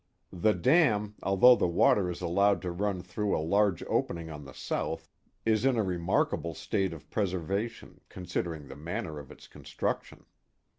The dam, although the water is allowed to run through a large opening on the south, is in a remarkable state of pres ervation, considering the manner of its construction.